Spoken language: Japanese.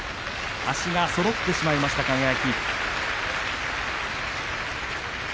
足がそろってしまいました、輝。